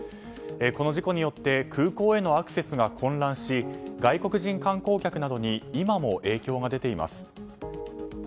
この事故によって空港へのアクセスが混乱し、外国人観光客などに今も影響が出ています。